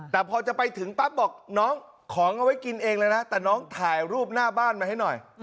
แต่พอจะไปถึงปั๊บบอกน้องของเอาไว้กินเองเลยนะแต่น้องถ่ายรูปหน้าบ้านมาให้หน่อย